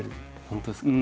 本当ですか？